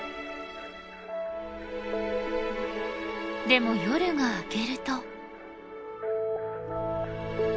でも夜が明けると。